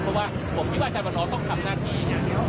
เพราะว่าผมคิดว่าจากวัตเงาต้องชำหน้าธี